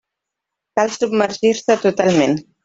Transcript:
Cal submergir-se totalment.